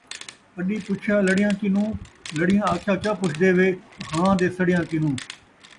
اݙی پچھیا لڑیاں کنوں، لڑیاں آکھیا کیا پچھدے وے ہاں دے سڑیاں کنوں